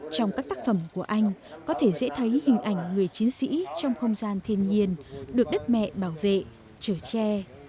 trong các tác phẩm của anh có thể dễ thấy hình ảnh người chiến sĩ trong không gian thiên nhiên được đất mẹ bảo vệ trở tre